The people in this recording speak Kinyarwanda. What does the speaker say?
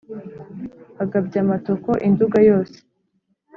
Agabye amatoko i Nduga yose